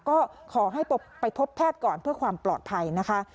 ก็ขอให้ไปพบแพทย์ก่อนเพื่อความปลอดภัยนะคะ